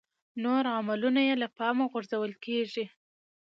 نور عاملونه یې له پامه غورځول کېږي.